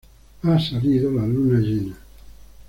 Ha salido la luna llena.